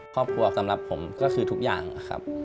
สำหรับผมก็คือทุกอย่างครับ